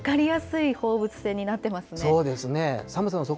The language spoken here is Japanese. もう分かりやすい放物線になってますね。